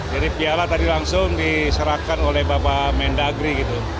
jadi piala tadi langsung diserahkan oleh bapak mendagri